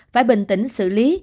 phải bình tĩnh xử lý